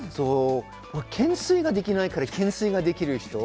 懸垂ができないから懸垂ができる人。